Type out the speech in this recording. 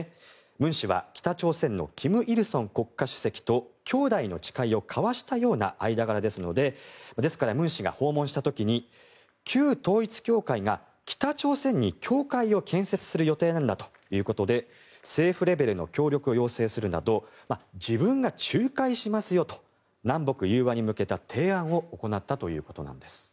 ムン氏は北朝鮮の金日成国家主席と兄弟の誓いを交わしたような間柄ですのでですから、ムン氏が訪問した時に旧統一教会が北朝鮮に教会を建設する予定なんだということで政府レベルの協力を要請するなど自分が仲介しますよと南北融和に向けた提案を行ったということです。